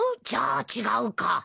じゃあ違うか。